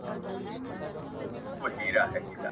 دودونو او رواجونو